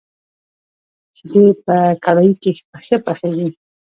شيدې په کړايي کي ښه پخېږي.